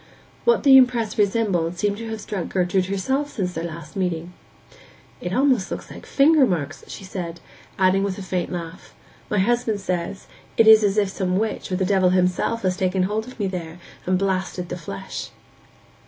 What the impress resembled seemed to have struck Gertrude herself since their last meeting. 'It looks almost like finger marks,' she said; adding with a faint laugh, 'my husband says it is as if some witch, or the devil himself, had taken hold of me there, and blasted the flesh.